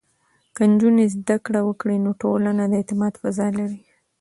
که نجونې زده کړه وکړي، نو ټولنه د اعتماد فضا لري.